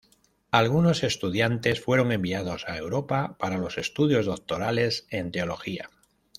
Alguno estudiantes fueron enviados a Europa para los estudios doctorales en Teología.